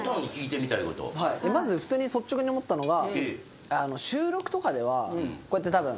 はいまず普通に率直に思ったのが。